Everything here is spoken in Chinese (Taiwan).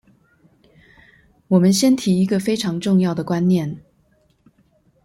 我們先提一個非常重要的觀念